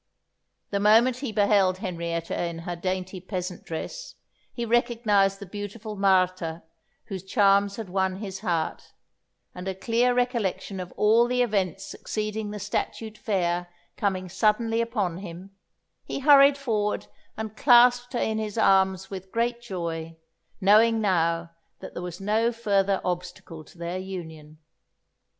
The moment he beheld Henrietta in her dainty peasant dress, he recognised the beautiful Martha whose charms had won his heart; and a clear recollection of all the events succeeding the statute fair coming suddenly upon him, he hurried forward and clasped her in his arms with great joy, knowing now that there was no further obstacle to their union.